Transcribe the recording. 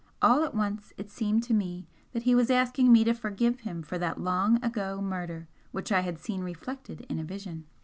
All at once it seemed to me that he was asking me to forgive him for that long ago murder which I had seen reflected in a vision!